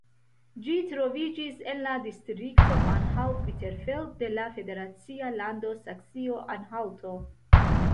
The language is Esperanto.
Ĝi troviĝis en la distrikto Anhalt-Bitterfeld de la federacia lando Saksio-Anhalto.